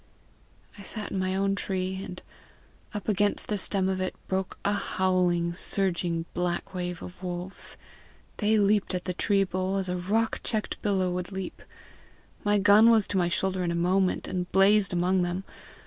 I sat in my own tree, and up against the stem of it broke a howling, surging black wave of wolves. They leaped at the tree bole as a rock checked billow would leap. My gun was to my shoulder in a moment, and blazed among them.